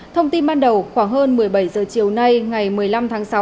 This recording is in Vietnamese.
thông tin ban đầu khoảng hơn một mươi bảy h chiều nay ngày một mươi năm tháng sáu